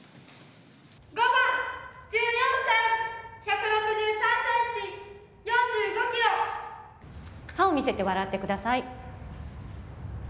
５番、１４歳、１６３ｃｍ歯を見せて笑ってください。